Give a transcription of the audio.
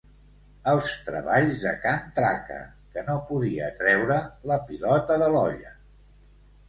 Els treballs de can Traca, que no podia treure la pilota de l'olla.